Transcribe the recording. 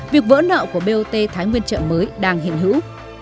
việc vỡ nợ của bot thái nguyên chậm mới đang hiện hữu